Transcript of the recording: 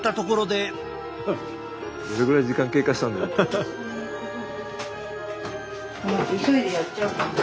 どれぐらい時間経過したんだろう。